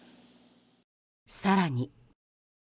更に。